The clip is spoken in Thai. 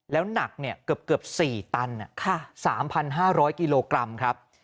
แล้วหนักเกือบ๔ตัน๓๕๐๐กิโลกรัมครับ